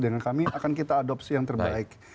dengan kami akan kita adopsi yang terbaik